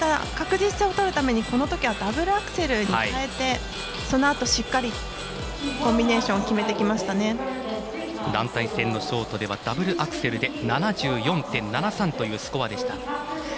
確実性をとるためにこのときはダブルアクセルに変えて、そのあとしっかりコンビネーションを団体戦のショートではダブルアクセルで７４．７３というスコアでした。